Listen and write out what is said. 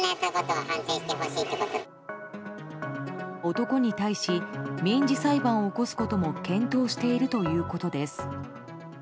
男に対し民事裁判を起こすことも検討しているということです。